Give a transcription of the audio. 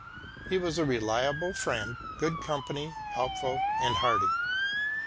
He was a reliable friend, good company, helpful and hearty.